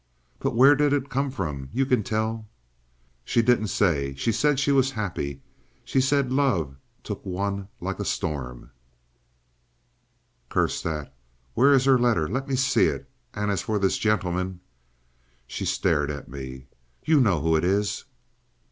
"But where did it come from? You can tell—" "She didn't say. She said she was happy. She said love took one like a storm—" "Curse that! Where is her letter? Let me see it. And as for this gentleman—" She stared at me. "You know who it is."